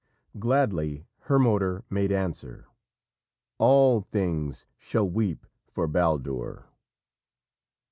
Gladly Hermoder made answer: "All things shall weep for Baldur!"